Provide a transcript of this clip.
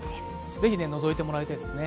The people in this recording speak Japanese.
ぜひ、のぞいてもらいたいですね